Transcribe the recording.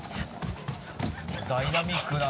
ダイナミックだな